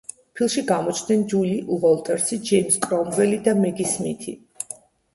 ფილმში გამოჩნდნენ ჯული უოლტერსი, ჯეიმზ კრომველი და მეგი სმითი.